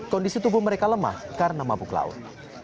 kondisi tubuh mereka lemah karena mabuk laut